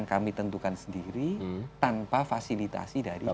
akan kami tentukan sendiri tanpa fasilitasi dari kpu